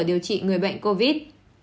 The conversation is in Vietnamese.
điều trị người bệnh covid